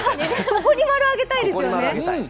ここに○あげたいですよね。